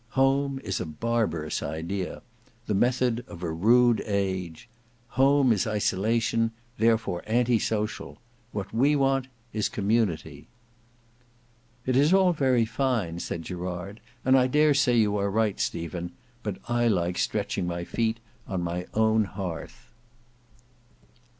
Home is a barbarous idea; the method of a rude age; home is isolation; therefore anti social. What we want is Community." "It is all very fine," said Gerard, "and I dare say you are right, Stephen; but I like stretching my feet on my own hearth."